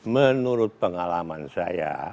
menurut pengalaman saya